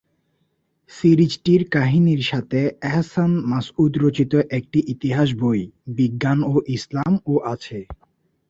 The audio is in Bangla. সিরিজটির কাহিনীর সাথে এহসান মাসউদ রচিত একটি ইতিহাস বই "বিজ্ঞান ও ইসলাম" ও আছে।